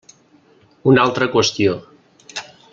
Una altra qüestió.